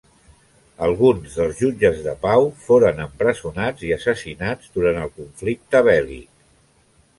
Alguns dels jutges de pau foren empresonats i assassinats durant el conflicte bèl·lic.